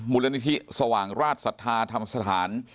มูลนิธิสว่างราชศรัทธาธรรมสถาน